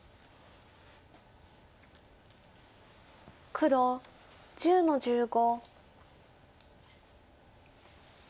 黒１０の十五。